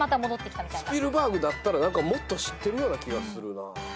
スピルバーグだったらもっと知ってるような気がするな。